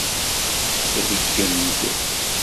Tṛeggem-d.